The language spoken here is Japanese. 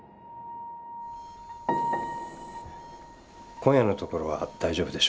今夜のところは大丈夫でしょう。